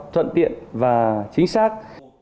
thuận tiện và chính xác